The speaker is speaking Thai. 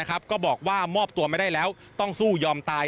ก็บอกว่ามอบตัวไม่ได้แล้วต้องสู้ยอมตาย